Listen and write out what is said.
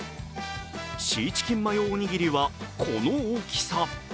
シーチキンマヨおにぎりはこの大きさ。